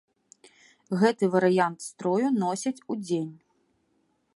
Гэты варыянт строю носяць удзень.